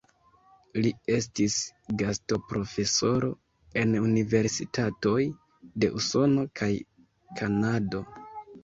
Li estis gastoprofesoro en universitatoj de Usono kaj Kanado.